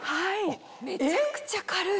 めちゃくちゃ軽い！